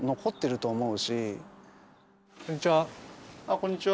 こんにちは。